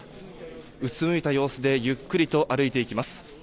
うつむいた様子でゆっくりと歩いていきます。